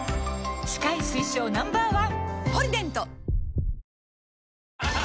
歯科医推奨 Ｎｏ．１！